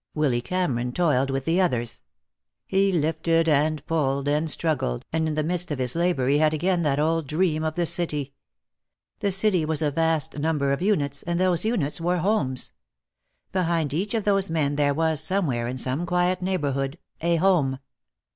Willy Cameron toiled with the others. He lifted and pulled and struggled, and in the midst of his labor he had again that old dream of the city. The city was a vast number of units, and those units were homes. Behind each of those men there was, somewhere, in some quiet neighborhood, a home.